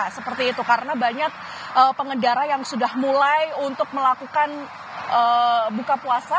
seperti itu karena banyak pengendara yang sudah mulai untuk melakukan buka puasa